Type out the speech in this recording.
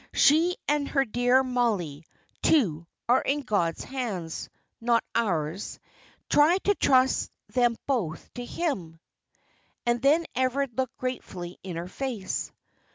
She and her dear Mollie, too, are in God's hands not ours. Try to trust them both to Him." And then Everard looked gratefully in her face.